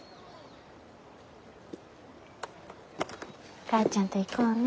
お母ちゃんと行こうね。